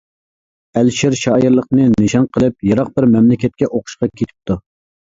ئەلىشىر شائىرلىقنى نىشان قىلىپ يىراق بىر مەملىكەتكە ئوقۇشقا كېتىپتۇ.